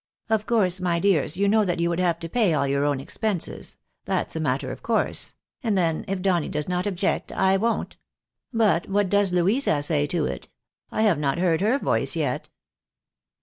Of course, my dears, you know that you would have to pay all your own expenses — that's a matter of course — and then, if Donny does not object, I won't. But what does Louisa say to it ? I have not heard her voice yet."